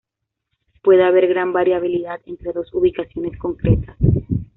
Puede haber gran variabilidad entre dos ubicaciones concretas.